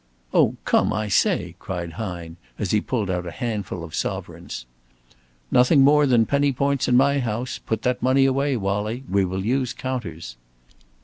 "Oh come, I say," cried Hine, as he pulled out a handful of sovereigns. "Nothing more than penny points in my house. Put that money away, Wallie. We will use counters."